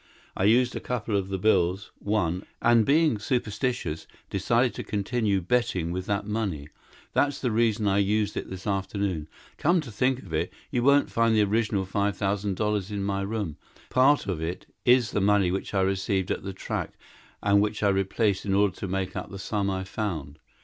I used a couple of the bills, won, and, being superstitious, decided to continue betting with that money. That's the reason I used it this afternoon. Come to think of it, you won't find the original five thousand dollars in my room. Part of it is the money which I received at the track and which I replaced in order to make up the sum I found.